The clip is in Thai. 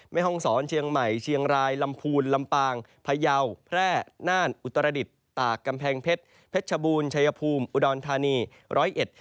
ห้องศรเชียงใหม่เชียงรายลำพูนลำปางพยาวแพร่น่านอุตรดิษฐ์ตากกำแพงเพชรเพชรชบูรณชายภูมิอุดรธานีร้อยเอ็ด